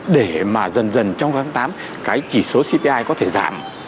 để mà dần dần trong tháng tám cái chỉ số cpi có thể giảm